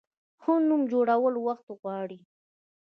ښه نوم جوړول وخت غواړي.